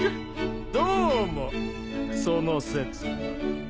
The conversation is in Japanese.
どうもその節は。